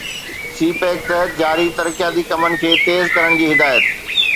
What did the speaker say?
سي pack تحت جاري ترقياتي ڪمن کي تيز ڪرڻ جي هدايت